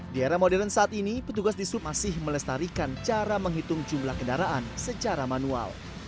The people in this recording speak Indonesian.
di era modern saat ini petugas di sub masih melestarikan cara menghitung jumlah kendaraan secara manual